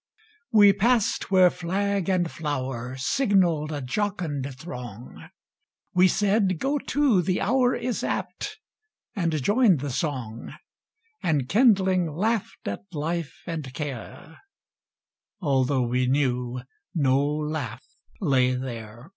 H. WE passed where flag and flower Signalled a jocund throng; We said: "Go to, the hour Is apt!"—and joined the song; And, kindling, laughed at life and care, Although we knew no laugh lay there.